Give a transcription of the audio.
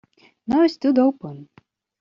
Now it stood open!